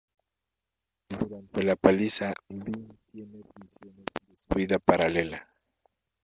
Durante la paliza Ben tiene visiones de su vida paralela.